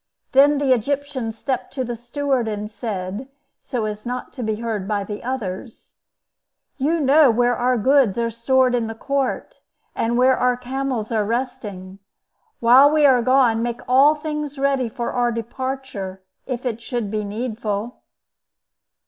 Then the Egyptian stepped to the steward, and said, so as not to be heard by the others, "You know where our goods are stored in the court, and where our camels are resting. While we are gone, make all things ready for our departure, if it should be needful."